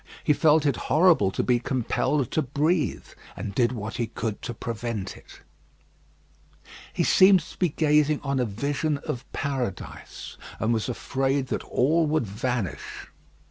He felt it horrible to be compelled to breathe, and did what he could to prevent it. He seemed to be gazing on a vision of paradise, and was afraid that all would vanish.